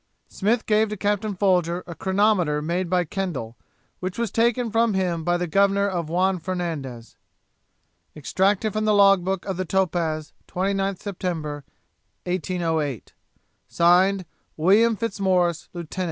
'Smith gave to Captain Folger a chronometer made by Kendall, which was taken from him by the Governor of Juan Fernandez. 'Extracted from the log book of the Topaz, 29th Sept. 1808. (Signed) 'WM. FITZMAURICE, Lieut.